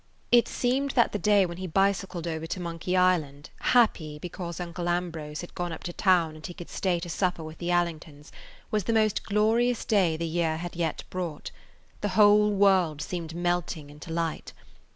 It seemed that the day when he bicycled over to Monkey [Page 72] Island, happy because Uncle Ambrose had gone up to town and he could stay to supper with the Allingtons, was the most glorious day the year had yet brought. The whole world seemed melting into light.